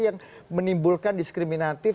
yang menimbulkan diskriminatif